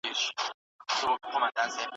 که کار وي نو ډال نه وي.